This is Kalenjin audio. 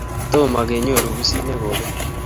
Tomo kenyoru pusit ne kobot